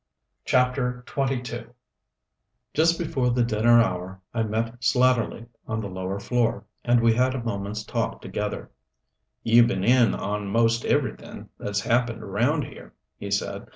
CHAPTER XXII Just before the dinner hour I met Slatterly on the lower floor, and we had a moment's talk together. "You've been in on most everything that's happened around here," he said.